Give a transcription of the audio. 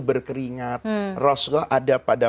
berkeringat rasulullah ada pada